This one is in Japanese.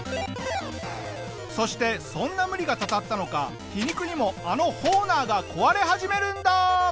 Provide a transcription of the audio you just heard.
そしてそんな無理がたたったのか皮肉にもあのホーナーが壊れ始めるんだ！